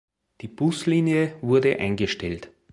Die Buslinie wurde eingestellt.